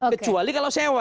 kecuali kalau sewa